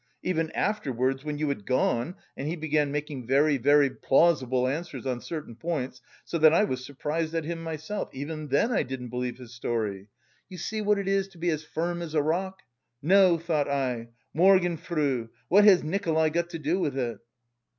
Even afterwards, when you had gone and he began making very, very plausible answers on certain points, so that I was surprised at him myself, even then I didn't believe his story! You see what it is to be as firm as a rock! No, thought I, Morgenfrüh. What has Nikolay got to do with it!"